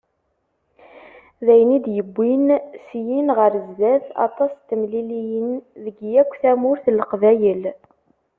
D ayen i d-yewwin syin ɣer sdat aṭas n temliliyin deg yakk tamurt n Leqbayel.